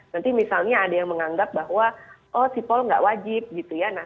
nanti misalnya ada yang menganggap bahwa oh sipol nggak wajib gitu ya